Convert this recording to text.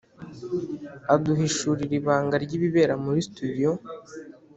aduhishurira ibanga ry'ibibera muri studio.